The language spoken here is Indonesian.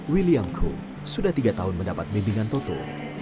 william kru sudah tiga tahun mendapat bimbingan toto